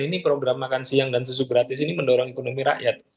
ini program makan siang dan susu gratis ini mendorong ekonomi rakyat